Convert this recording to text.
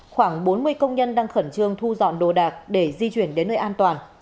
khoảng bốn mươi công nhân đang khẩn trương thu dọn đồ đạc để di chuyển đến nơi an toàn